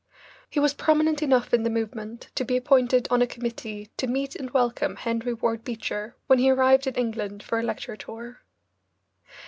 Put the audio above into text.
He was prominent enough in the movement to be appointed on a committee to meet and welcome Henry Ward Beecher when he arrived in England for a lecture tour.